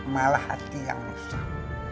malah hati yang besar